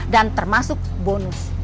dan termasuk bonus